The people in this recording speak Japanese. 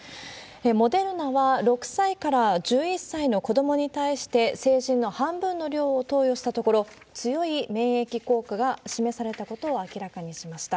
モデルナは、６歳から１１歳の子どもに対して成人の半分の量を投与したところ、強い免疫効果が示されたことを明らかにしました。